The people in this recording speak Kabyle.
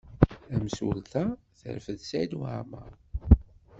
Tamsulta terfed Saɛid Waɛmaṛ.